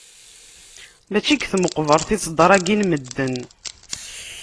Mačči deg tmeqbert i ttedṛagin medden.